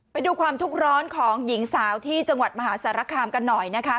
ไปดูความทุกข์ร้อนของหญิงสาวที่จังหวัดมหาสารคามกันหน่อยนะคะ